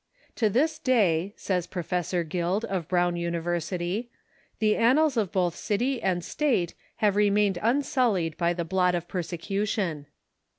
"To this day," says Professor Guild, of Brown University, "the annals of both city and State have remained unsullied by the blot of persecution."